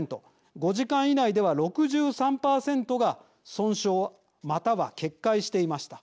５時間以内では６３％が損傷または決壊していました。